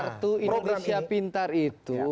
kartu indonesia pintar itu